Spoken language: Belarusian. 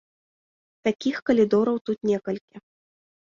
Такіх калідораў тут некалькі.